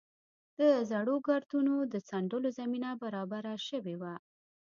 د زړو ګردونو د څنډلو زمینه برابره شوې وه.